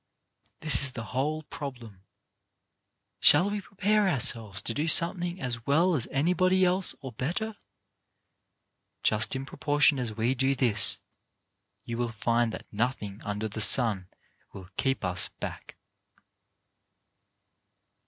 This is the whole problem. Shall we prepare our selves to do something as well as anybody else or better ? Just in proportion as we do this, you will find that nothing under the sun will keep us back.